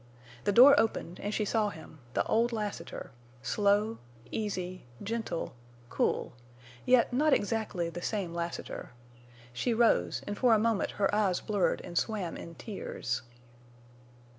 The door opened, and she saw him, the old Lassiter, slow, easy, gentle, cool, yet not exactly the same Lassiter. She rose, and for a moment her eyes blurred and swam in tears.